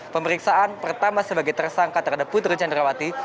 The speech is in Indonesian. pemeriksaan pertama sebagai tersangka terhadap putri candrawati